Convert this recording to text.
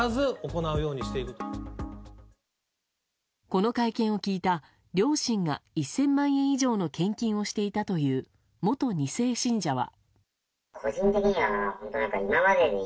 この会見を聞いた両親が１０００万円以上の献金をしていたという元２世信者は。